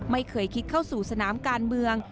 ไม่เคยคิดเข้าสู่สนามการเมือง